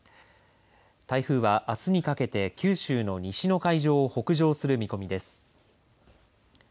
台風はあすにかけて九州の西の海上を北上する見込みです。